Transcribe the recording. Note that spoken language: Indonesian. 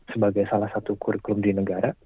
sebagai salah satu kurikulum di negara